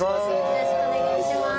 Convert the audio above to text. よろしくお願いします。